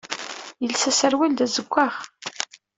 Yelsa aserwal d azeggaɣ.